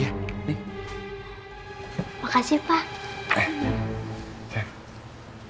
kamu jangan sampai ketahuan sama